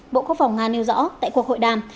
bộ quốc phòng nga nêu rõ tại cuộc hội đàm